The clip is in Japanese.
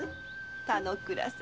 田之倉様。